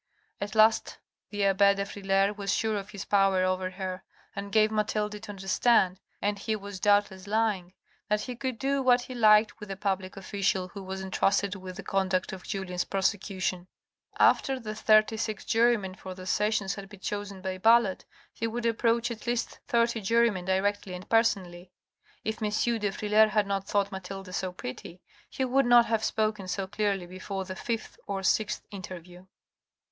At last the abbe de Frilair was sure of his power over her. He gave Mathilde to understand (and he was doubtless lying) that he could do what he liked with the public official who was entrusted with the conduct of Julien's prosecution. A POWERFUL MAN 483 After the thirty six jurymen for the sessions had been chosen by ballot, he would approach at least thirty jurymen directly and personally. If M. de Frilair had not thought Mathilde so pretty, he would not have spoken so clearly before the fifth or sixth interview.